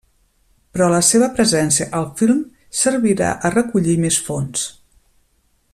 Però la seva presència al film servirà a recollir més fons.